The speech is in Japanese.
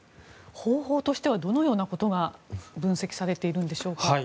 方法としてはどのようなことが分析されているのでしょうか。